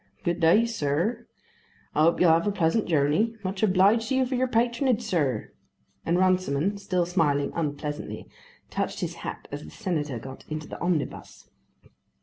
Good day, sir; I hope you'll have a pleasant journey. Much obliged to you for your patronage, sir," and Runciman, still smiling unpleasantly, touched his hat as the Senator got into the omnibus.